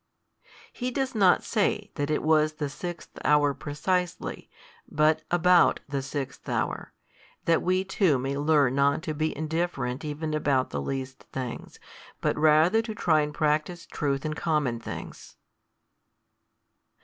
He does not say that it was the sixth hour precisely, but about the sixth hour, that we too may learn not to be indifferent even about the least things, but rather to try and practise truth in common things.